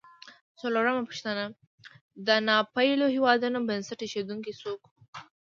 څلورمه پوښتنه: د ناپېیلو هېوادونو بنسټ ایښودونکي څوک و؟